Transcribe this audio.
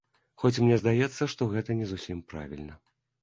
Хоць мне здаецца, што гэта не зусім правільна.